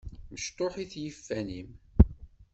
Mecṭuḥit yiffan-im.